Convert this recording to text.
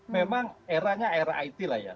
memang eranya era it lah ya